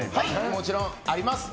もちろんあります。